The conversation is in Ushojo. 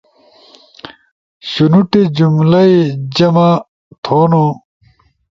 شنوٹے جمہ ئی جمع تھونو